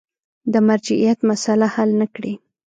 د مرجعیت مسأله حل نه کړي.